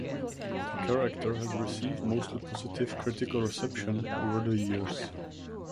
The character has received mostly positive critical reception over the years.